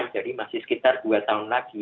jadi masih sekitar dua tahun lagi